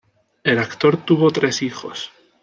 El actor tuvo tres hijos.